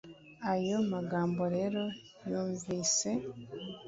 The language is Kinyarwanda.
"Ayo magambo rero nyumvise